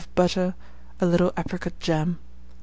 of butter, a little apricot jam.